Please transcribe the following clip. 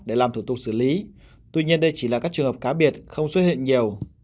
để làm thủ tục xử lý tuy nhiên đây chỉ là các trường hợp cá biệt không xuất hiện nhiều